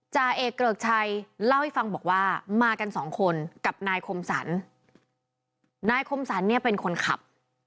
จ่าเอกเกริกชัยเล่าให้ฟังบอกว่ามากันสองคนกับนายคมสรรนายคมสรรเนี่ยเป็นคนขับ